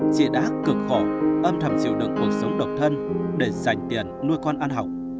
chị đã cực khổ âm thầm chịu đựng cuộc sống độc thân để dành tiền nuôi con